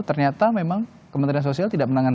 ternyata memang kementerian sosial tidak menangani